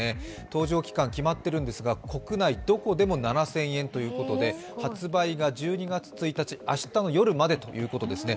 搭乗期間は決まっているんですが、国内どこでも７０００円ということで、発売が１２月１日、明日の夜までということですね。